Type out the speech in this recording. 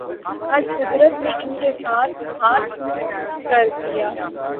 آج قدرت نے ان کے ساتھ ہاتھ کر دیا۔